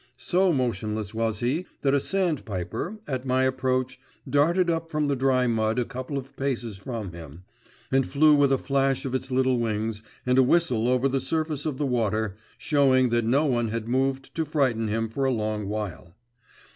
So motionless was he that a sandpiper, at my approach, darted up from the dry mud a couple of paces from him, and flew with a flash of its little wings and a whistle over the surface of the water, showing that no one had moved to frighten him for a long while.